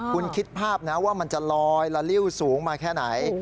คุณคิดภาพนะว่ามันจะลอยละลิ้วสูงมาแค่ไหน